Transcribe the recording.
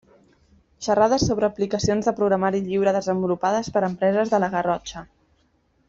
Xerrades sobre aplicacions de programari lliure desenvolupades per empreses de la Garrotxa.